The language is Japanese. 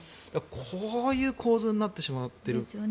こういう構図になってしまうというので。